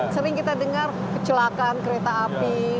sering kita dengar kecelakaan kereta api